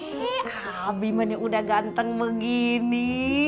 hei abie mana udah ganteng begini